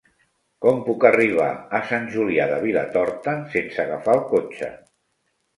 Com puc arribar a Sant Julià de Vilatorta sense agafar el cotxe?